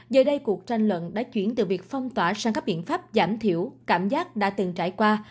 giờ đây cuộc tranh luận đã chuyển từ việc phong tỏa sang các biện pháp giảm thiểu cảm giác đã từng trải qua